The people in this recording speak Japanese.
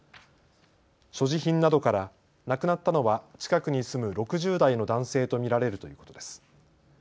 所持品などから亡くなったのは近くに住む６０代の男性と見られるということです。